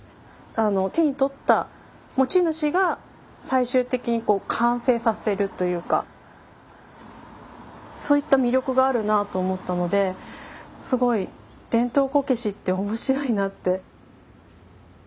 手に取った持ち主が最終的に完成させるというかそういった魅力があるなと思ったのですごい伝統こけしって面白いなって。